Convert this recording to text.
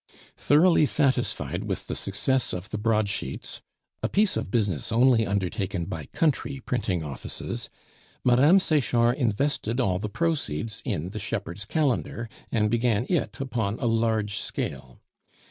Thoroughly satisfied with the success of the broad sheets, a piece of business only undertaken by country printing offices, Mme. Sechard invested all the proceeds in the Shepherd's Calendar, and began it upon a large scale.